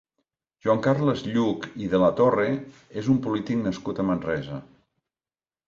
Joan Carles Lluch i de la Torre és un polític nascut a Manresa.